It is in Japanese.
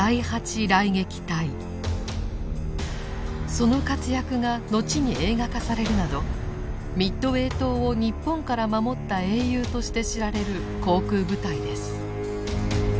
その活躍がのちに映画化されるなどミッドウェー島を日本から守った英雄として知られる航空部隊です。